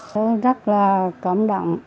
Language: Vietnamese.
tôi rất là cảm động